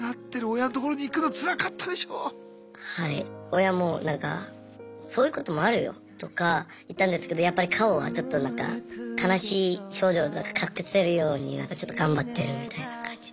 親もなんかそういうこともあるよとか言ったんですけどやっぱり顔はちょっとなんか悲しい表情を隠せるようになんかちょっと頑張ってるみたいな感じで。